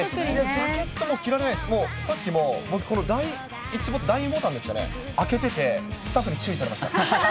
ジャケットも着られないです、もう、さっきも僕、第１ボタン、第２ボタンですかね、開けてて、スタッフに注意されました。